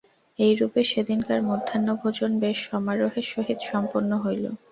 এইরূপে সেদিনকার মধ্যাহ্নভোজন বেশ সমারোহের সহিত সম্পন্ন হইল।